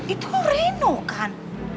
itu reno kan